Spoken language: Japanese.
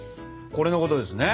これのことですね？